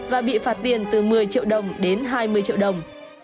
và bị phạt tiền từ một mươi triệu đồng đến hai mươi triệu đồng